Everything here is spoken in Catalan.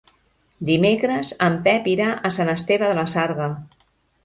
Dimecres en Pep irà a Sant Esteve de la Sarga.